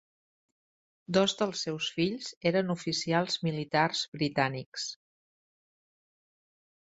Dos dels seus fills eren oficials militars britànics.